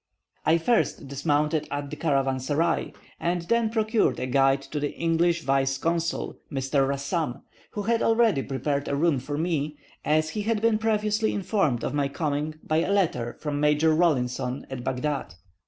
I first dismounted at the caravansary, and then procured a guide to the English Vice consul, Mr. Rassam, who had already prepared a room for me, as he had been previously informed of my coming by a letter from Major Rawlinson, at Baghdad.